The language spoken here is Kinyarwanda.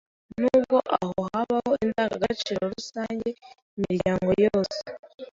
Nubwo aho habaho indangagaciro rusange imiryango yose